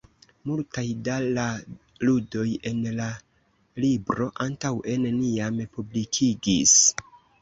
Multaj da la ludoj en la libro antaŭe neniam publikigis.